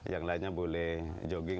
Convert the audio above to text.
yang lainnya boleh jogging